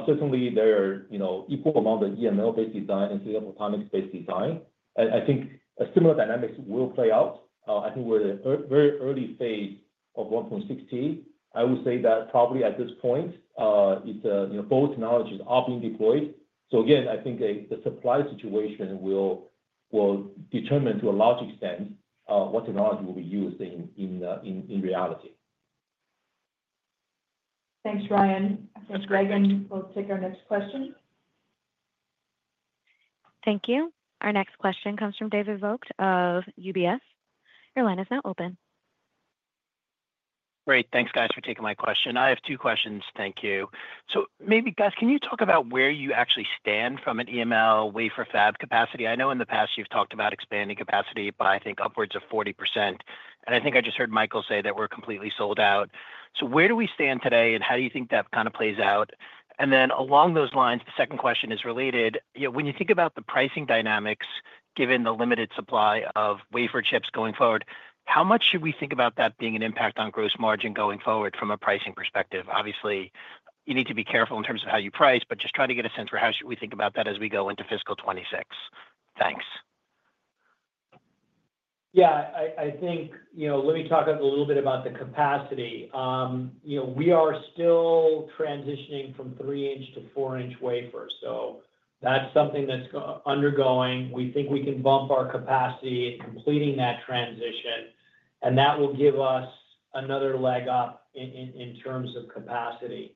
H: certainly there are equal amounts of EML-based design and Silicon Photonics-based design. I think a similar dynamic will play out. I think we're in a very early phase of 1.6T. I would say that probably at this point, both technologies are being deployed. I think the supply situation will determine to a large extent what technology will be used in reality.
B: Thanks, Ryan. We have Regen. We'll take our next question.
A: Thank you. Our next question comes from David Vogt of UBS. Your line is now open.
K: Great. Thanks, guys, for taking my question. I have two questions. Thank you. Maybe, guys, can you talk about where you actually stand from an EML wafer fab capacity? I know in the past you've talked about expanding capacity, but I think upwards of 40%. I think I just heard Michael say that we're completely sold out. Where do we stand today, and how do you think that kind of plays out? Along those lines, the second question is related. When you think about the pricing dynamics, given the limited supply of wafer chips going forward, how much should we think about that being an impact on gross margin going forward from a pricing perspective? Obviously, you need to be careful in terms of how you price, but just trying to get a sense for how should we think about that as we go into fiscal 2026. Thanks.
C: Yeah, I think, you know, let me talk a little bit about the capacity. We are still transitioning from 3 in to 4 in wafers. That's something that's undergoing. We think we can bump our capacity completing that transition, and that will give us another leg up in terms of capacity.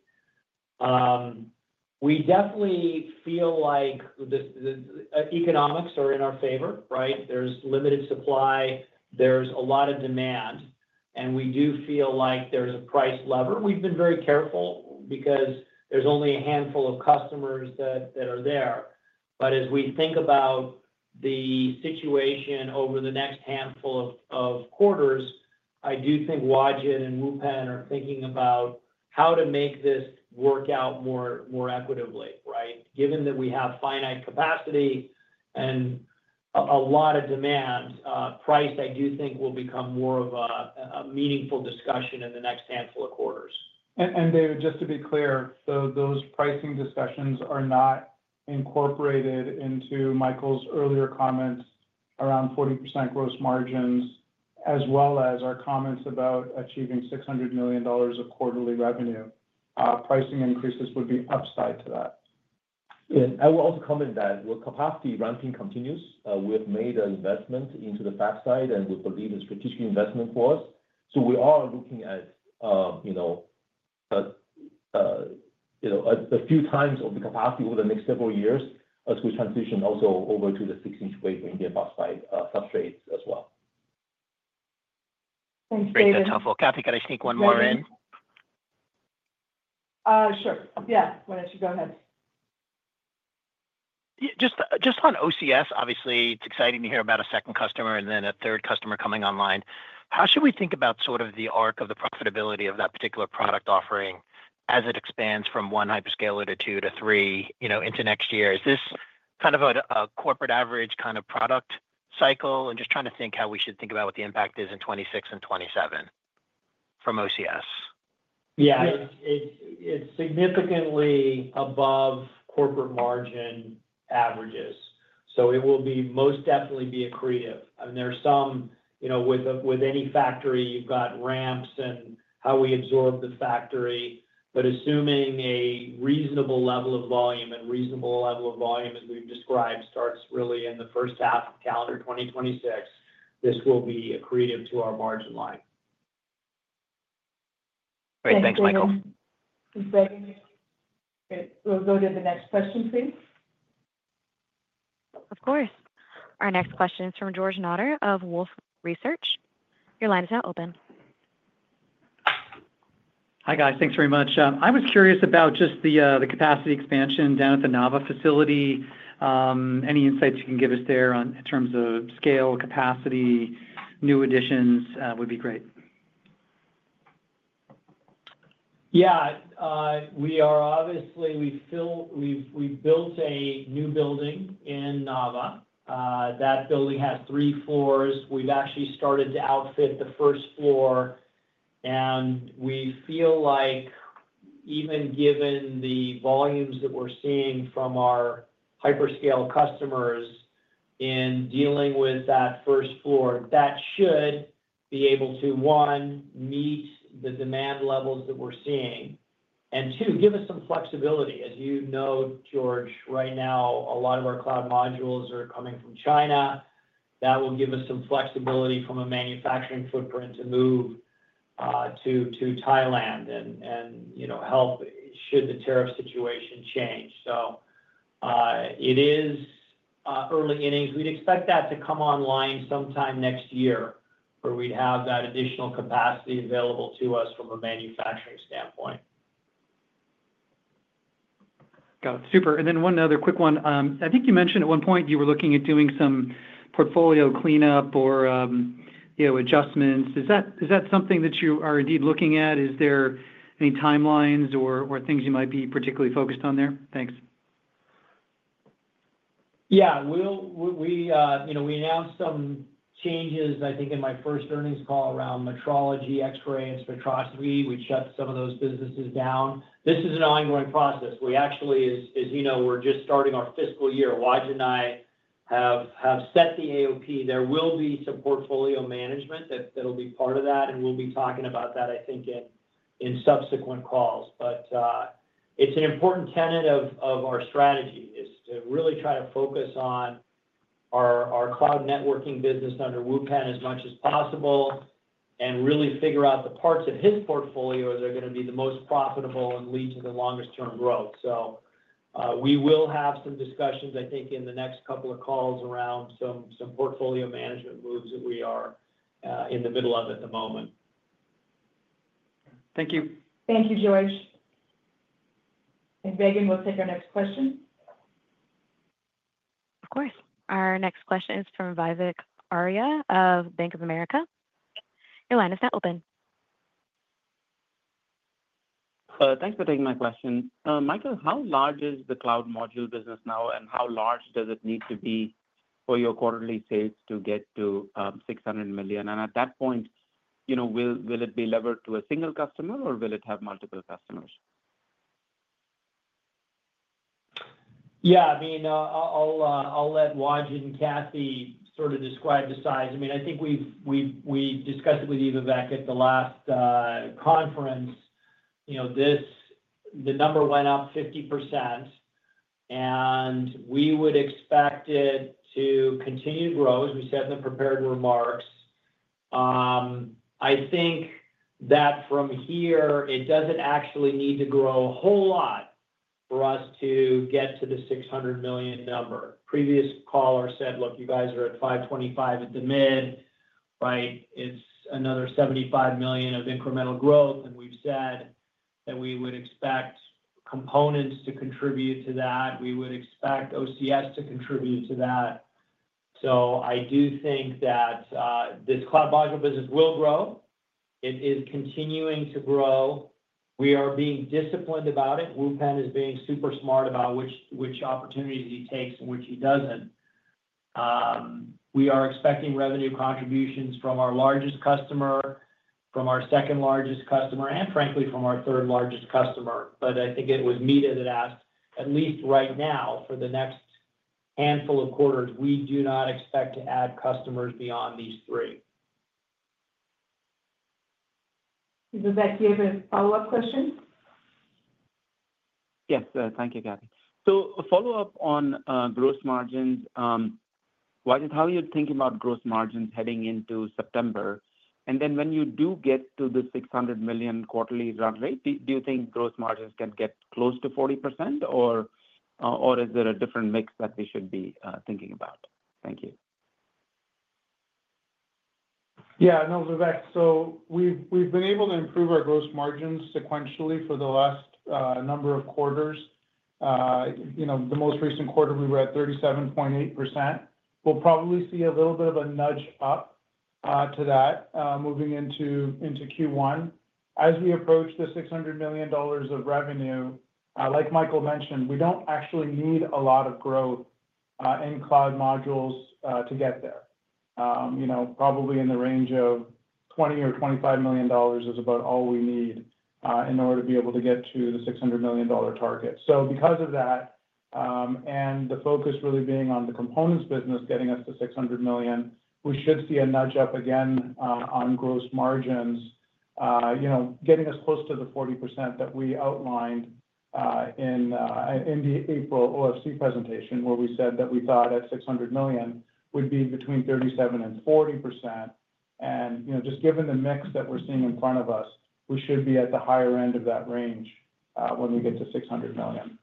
C: We definitely feel like the economics are in our favor, right? There's limited supply. There's a lot of demand. We do feel like there's a price lever. We've been very careful because there's only a handful of customers that are there. As we think about the situation over the next handful of quarters, I do think Wajid and Wupen are thinking about how to make this work out more equitably, right? Given that we have finite capacity and a lot of demand, price, I do think, will become more of a meaningful discussion in the next handful of quarters.
D: David, just to be clear, those pricing discussions are not incorporated into Michael's earlier comments around 40% gross margins, as well as our comments about achieving $600 million of quarterly revenue. Pricing increases would be upside to that.
H: Yeah, I will also comment that capacity ramping continues. We have made an investment into the fab side, and we believe it's a strategic investment for us. We are looking at a few times the capacity over the next several years as we transition also over to the 6 in wave and the above-side substra
B: Thank's David.
K: Kathy, can I stick one more in?
B: Sure. Why don't you go ahead?
K: Just on OCS, obviously, it's exciting to hear about a second customer and then a third customer coming online. How should we think about sort of the arc of the profitability of that particular product offering as it expands from one hyperscaler to two to three, you know, into next year? Is this kind of a corporate average kind of product cycle? Just trying to think how we should think about what the impact is in 2026 and 2027 from OCS.
C: Yeah, it's significantly above corporate margin averages. It will be most definitely accretive. With any factory, you've got ramps and how we absorb the factory. Assuming a reasonable level of volume, and reasonable level of volume that we've described starts really in the first half of calendar 2026, this will be accretive to our margin line.
K: Great. Thanks, Michael.
B: Thanks. Regen, please go to the next question.
A: Of course. Our next question is from George Notter of Wolfe Research. Your line is now open.
L: Hi, guys. Thanks very much. I was curious about just the capacity expansion down at the Noida facility. Any insights you can give us there in terms of scale, capacity, new additions would be great.
C: Yeah. We are obviously, we've built a new building in Noida. That building has three floors. We've actually started to outfit the first floor. We feel like even given the volumes that we're seeing from our hyperscale customers in dealing with that first floor, that should be able to, one, meet the demand levels that we're seeing, and two, give us some flexibility. As you know, George, right now, a lot of our cloud modules are coming from China. That will give us some flexibility from a manufacturing footprint to move to Thailand and help should the tariff situation change. It is early innings. We'd expect that to come online sometime next year where we'd have that additional capacity available to us from a manufacturing standpoint.
L: Got it. Super. One other quick one. I think you mentioned at one point you were looking at doing some portfolio cleanup or, you know, adjustments. Is that something that you are indeed looking at? Is there any timelines or things you might be particularly focused on there? Thanks.
C: Yeah. We announced some changes, I think, in my first earnings call around metrology, X-rays, spectroscopy. We shut some of those businesses down. This is an ongoing process. As you know, we're just starting our fiscal year. Wajid and I have set the AOP. There will be some portfolio management that will be part of that, and we'll be talking about that, I think, in subsequent calls. It's an important tenet of our strategy to really try to focus on our cloud networking business under Wupen as much as possible and really figure out the parts of his portfolio that are going to be the most profitable and lead to the longest-term growth. We will have some discussions, I think, in the next couple of calls around some portfolio management moves that we are in the middle of at the moment.
L: Thank you.
B: Thank you, George. Regen, we'll take our next question.
A: Of course. Our next question is from Vivek Arya of Bank of America Securities. Your line is now open.
M: Thanks for taking my question. Michael, how large is the cloud module business now, and how large does it need to be for your quarterly sales to get to $600 million? At that point, you know, will it be levered to a single customer, or will it have multiple customers?
C: Yeah, I mean, I'll let Wajid and Kathy sort of describe the size. I mean, I think we've discussed it with you, Vivek, at the last conference. You know, the number went up 50%, and we would expect it to continue to grow, as we said in the prepared remarks. I think that from here, it doesn't actually need to grow a whole lot for us to get to the $600 million number. Previous caller said, "Look, you guys are at $525 million at the min," right? It's another $75 million of incremental growth, and we've said that we would expect components to contribute to that. We would expect OCS to contribute to that. I do think that this cloud module business will grow. It is continuing to grow. We are being disciplined about it. Wupen is being super smart about which opportunities he takes and which he doesn't. We are expecting revenue contributions from our largest customer, from our second largest customer, and frankly, from our third largest customer. I think it was Meta that asked, at least right now, for the next handful of quarters, we do not expect to add customers beyond these three.
B: Does that give a follow-up question?
M: Yes. Thank you, Kathy. A follow-up on gross margins. Wajid, how are you thinking about gross margins heading into September? When you do get to the $600 million quarterly run rate, do you think gross margins can get close to 40%, or is there a different mix that we should be thinking about? Thank you.
D: Yeah. No, Vivek. We've been able to improve our gross margins sequentially for the last number of quarters. The most recent quarter, we were at 37.8%. We'll probably see a little bit of a nudge up to that moving into Q1. As we approach the $600 million of revenue, like Michael mentioned, we don't actually need a lot of growth in cloud modules to get there. Probably in the range of $20 million or $25 million is about all we need in order to be able to get to the $600 million target. Because of that and the focus really being on the components business getting up to $600 million, we should see a nudge up again on gross margins, getting us close to the 40% that we outlined in the April OFC presentation where we said that we thought at $600 million would be between 37% and 40%. Just given the mix that we're seeing in front of us, we should be at the higher end of that range when we get to $600 million.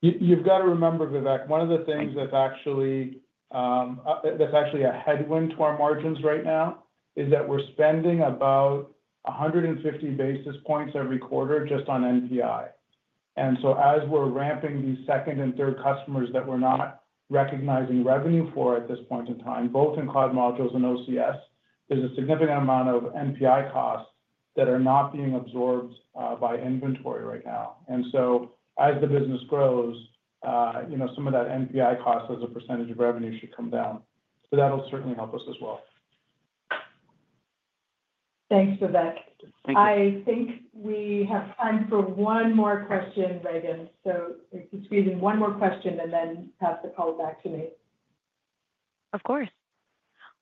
C: You've got to remember, Vivek, one of the things that's actually a headwind to our margins right now is that we're spending about 150 basis points every quarter just on NPI. As we're ramping these second and third customers that we're not recognizing revenue for at this point in time, both in cloud modules and OCS, there's a significant amount of NPI costs that are not being absorbed by inventory right now. As the business grows, some of that NPI cost as a percentage of revenue should come down. That'll certainly help us as well.
B: Thanks, Vivek. I think we have time for one more question, Regen. If you could do one more question and then pass the call back to me.
A: Of course.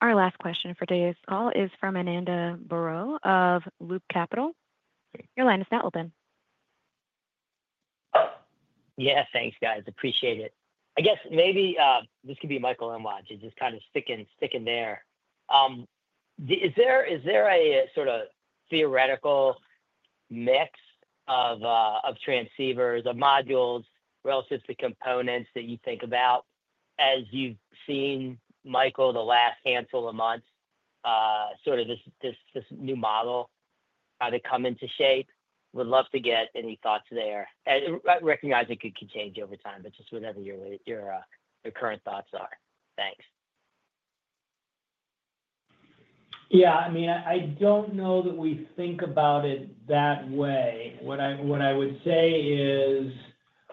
A: Our last question for today's call is from Ananda Baruah of Loop Capital Markets LLC. Your line is now open.
N: Yeah, thanks, guys. Appreciate it. I guess maybe this could be Michael and Wajid, just kind of sticking there. Is there a sort of theoretical mix of transceivers, of modules, relative to components that you think about as you've seen, Michael, the last handful of months, sort of this new model? How they come into shape? Would love to get any thoughts there. I recognize it could change over time, but just whatever your current thoughts are. Thanks.
C: Yeah, I mean, I don't know that we think about it that way. What I would say is,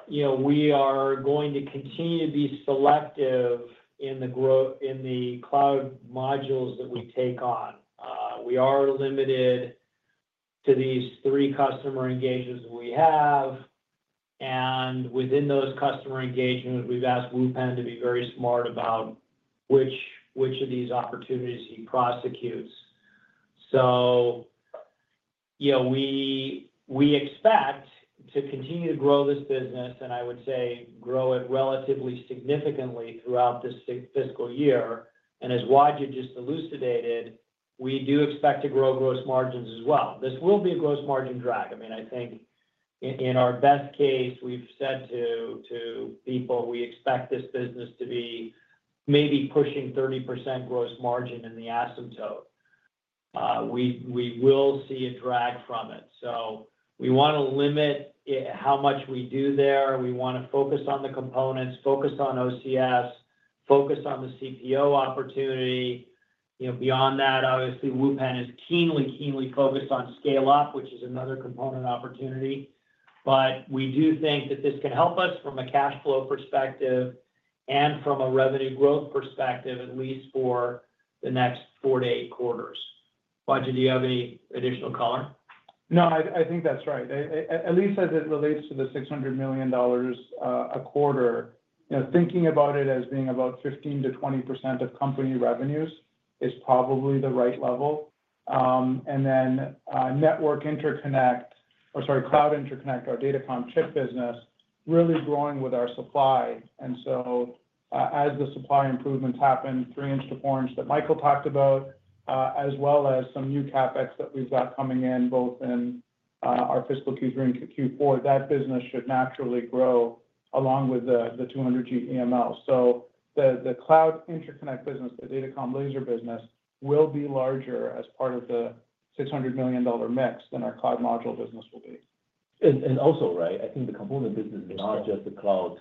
C: you know, we are going to continue to be selective in the cloud modules that we take on. We are limited to these three customer engagements that we have. Within those customer engagements, we've asked Wupen to be very smart about which of these opportunities he prosecutes. You know, we expect to continue to grow this business, and I would say grow it relatively significantly throughout this fiscal year. As Wajid just elucidated, we do expect to grow gross margins as well. This will be a gross margin drag. I mean, I think in our best case, we've said to people we expect this business to be maybe pushing 30% gross margin in the asymptote. We will see a drag from it. We want to limit how much we do there. We want to focus on the components, focus on OCS, focus on the CPO opportunity. Beyond that, obviously, Wupen is keenly, keenly focused on scale-up, which is another component opportunity. We do think that this could help us from a cash flow perspective and from a revenue growth perspective, at least for the next four to eight quarters. Wajid, do you have any additional color?
D: No, I think that's right. At least as it relates to the $600 million a quarter, thinking about it as being about 15%-20% of company revenues is probably the right level. Network interconnect, or sorry, cloud interconnect, our Datacom chip business really growing with our supply. As the supply improvements happen, 3 in to 4 in that Michael talked about, as well as some new CapEx that we've got coming in both in our fiscal Q3 and Q4, that business should naturally grow along with the 200 Gb EML. The cloud interconnect business, the Datacom laser business, will be larger as part of the $600 million mix than our cloud module business will be.
H: I think the component business, they are just the cloud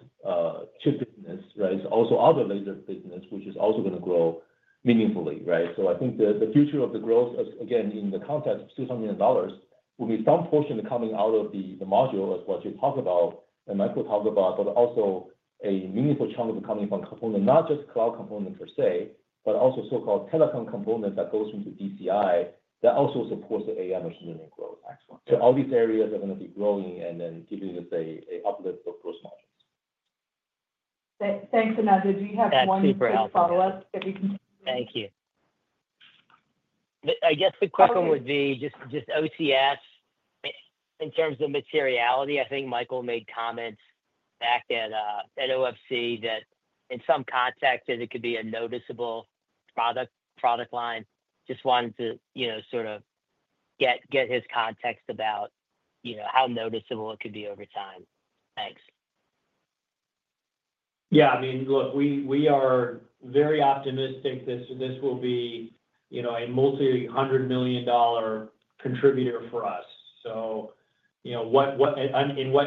H: chip business. There is also other laser business, which is also going to grow meaningfully, right? I think the future of the growth, again, in the context of $600 million, will be some portion coming out of the module as what you talked about and Michael talked about, but also a meaningful chunk of the component, not just cloud component per se, but also so-called telecom component that goes into DCI that also supports the AI machine learning growth. All these areas are going to be growing and then giving us an uplift of gross margins.
B: Thanks, Ananda. Do you have one follow-up that we can?
N: Thank you. I guess the question would be just OCS. In terms of materiality, I think Michael made comments back at OFC that in some context, it could be a noticeable product line. Just wanted to get his context about how noticeable it could be over time. Thanks.
C: Yeah, I mean, look, we are very optimistic this will be, you know, a multi-hundred million dollar contributor for us. What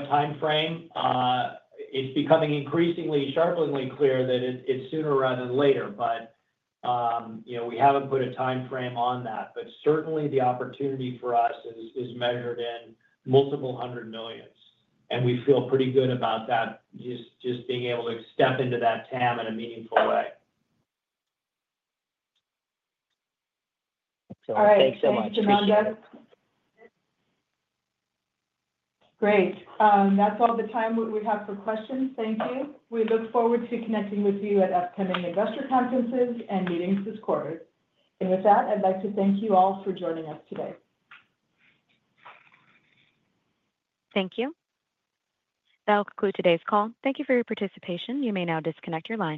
C: timeframe, it's becoming increasingly sharply clear that it's sooner rather than later. We haven't put a timeframe on that. Certainly, the opportunity for us is measured in multiple hundred millions, and we feel pretty good about that, just being able to step into that TAM in a meaningful way.
N: All right, thanks so much.
B: Thanks, Ananda. Great. That's all the time we have for questions. Thank you. We look forward to connecting with you at upcoming investor conferences and meetings this quarter. I'd like to thank you all for joining us today.
A: Thank you. That will conclude today's call. Thank you for your participation. You may now disconnect your line.